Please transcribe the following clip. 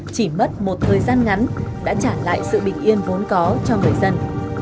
chỉ mất một thời gian ngắn đã trả lại sự bình yên vốn có cho người dân